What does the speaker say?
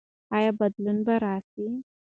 ایا بدلون به راسي؟